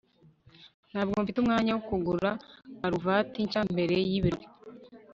ntabwo mfite umwanya wo kugura karuvati nshya mbere y'ibirori